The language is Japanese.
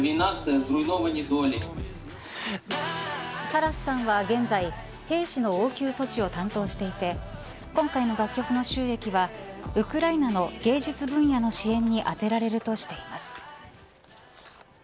タラスさんは現在兵士の応急措置を担当していて今回の楽曲の収益はウクライナの芸術分野の支援に充てられるとしています。